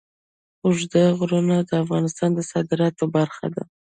اوږده غرونه د افغانستان د صادراتو برخه ده.